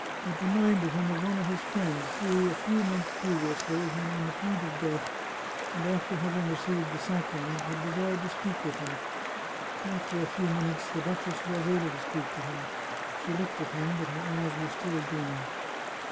It reminded him of one of his friends who, a few months previously, when on the point of death, and after having received the sacrament, had de sired to speak with him. After a few minutes, the duchess was able to speak to him. She looked at him, but her eyes were still dim.